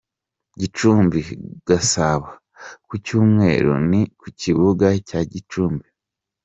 Gicumbi-Gasabo : Ku Cyumweru ni ku kibuga cya Gicumbi.